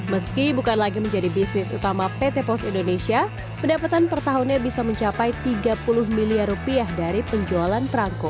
meski bukan lagi menjadi bisnis utama pt pos indonesia pendapatan per tahunnya bisa mencapai tiga puluh miliar rupiah dari penjualan perangko